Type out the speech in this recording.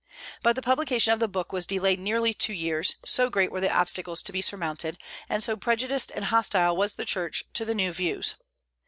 But the publication of the book was delayed nearly two years, so great were the obstacles to be surmounted, and so prejudiced and hostile was the Church to the new views.